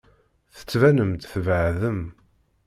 Tettbanem-d tbeɛdem.